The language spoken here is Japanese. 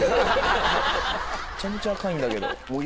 めちゃめちゃ赤いんだけど。